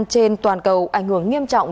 trên toàn cầu ảnh hưởng nghiêm trọng